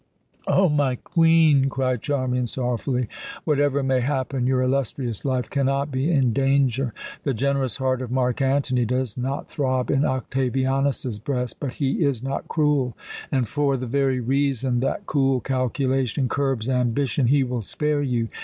"O my Queen!" cried Charmian sorrowfully. "Whatever may happen, your illustrious life cannot be in danger! The generous heart of Mark Antony does not throb in Octavianus's breast, but he is not cruel, and for the very reason that cool calculation curbs ambition he will spare you.